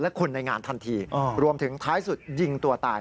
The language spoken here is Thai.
และคนในงานทันทีรวมถึงท้ายสุดยิงตัวตาย